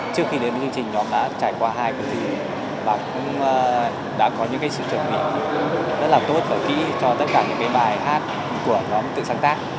trước khi đến chương trình nhóm đã trải qua hai cuộc thi bạn cũng đã có những sự chuẩn bị rất là tốt và kỹ cho tất cả những bài hát của nhóm tự sáng tác